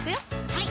はい